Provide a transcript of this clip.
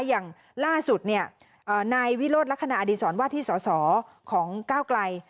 อย่างล่าสุดเนี่ยนายวิโรธลักษณะอดีศรวาสที่สอสอของก้าวกลัย